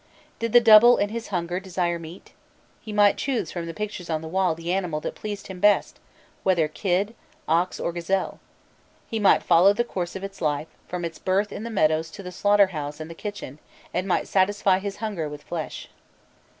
Did the double in his hunger desire meat? He might choose from the pictures on the wall the animal that pleased him best, whether kid, ox, or gazelle; he might follow the course of its life, from its birth in the meadows to the slaughter house and the kitchen, and might satisfy his hunger with its flesh.